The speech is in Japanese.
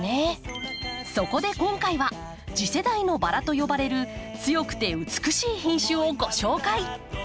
そこで今回は次世代のバラと呼ばれる強くて美しい品種をご紹介。